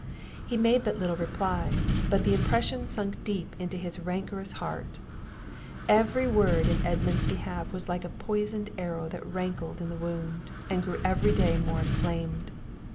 He made but little reply; but the impression sunk deep into his rancorous heart; every word in Edmund's behalf was like a poisoned arrow that rankled in the wound, and grew every day more inflamed.